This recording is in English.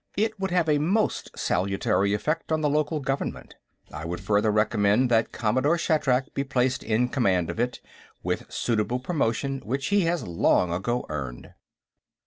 It would have a most salutary effect on the local government. I would further recommend that Commodore Shatrak be placed in command of it, with suitable promotion, which he has long ago earned."